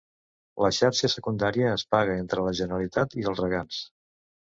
La xarxa secundària es paga entre la Generalitat i els regants.